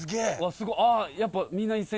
すごっあやっぱ。